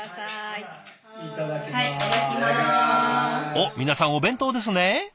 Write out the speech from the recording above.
おっ皆さんお弁当ですね。